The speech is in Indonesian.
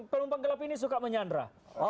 penumpang gelap ini suka menyandra